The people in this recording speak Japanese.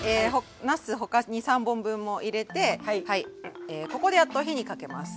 なす他２３本分も入れてここでやっと火にかけます。